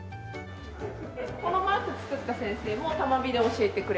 このマーク作った先生も多摩美で教えてくれてました。